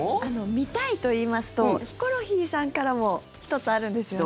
「見たい」といいますとヒコロヒーさんからも１つあるんですよね。